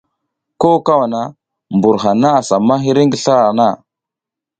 Ko kawana mbur hana asa ma hiri ngi slra hana.